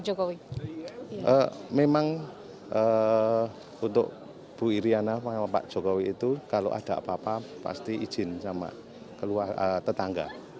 jadi kalau ada apa apa pasti izin sama tetangga